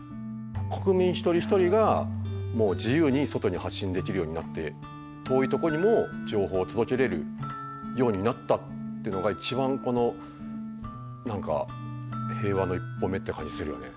国民一人一人がもう自由に外に発信できるようになって遠いとこにも情報を届けれるようになったってのが一番この何か平和の一歩目って感じするよね。